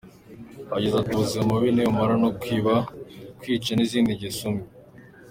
Yagize ati”Ubuzima bubi ntibumarwa no kwiba, kwica n'izindi ngeso mbi”.